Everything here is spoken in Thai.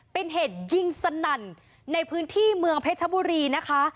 เป็นเหตุยิงสนั่นในพื้นที่เมืองเพชรบุรีนะคะ